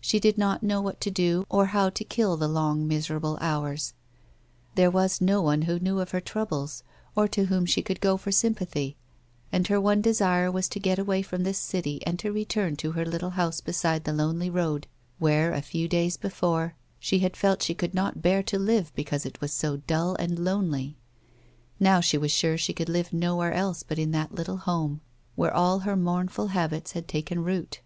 She did not know what to do or how to kill the long, miserable hours ; there was no one who knew of her troubles, or to whom she could go for sympathy, and her one desire was to get away from this city and to return to her little house beside the lonely road, where, a few days before, she had felt she could not bear to live because it was so dull and lonely. Now she was sure she could live nowhere else but in that little home where all her mournful habits had taken root.